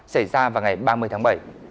xảy ra vào ngày ba mươi tháng bảy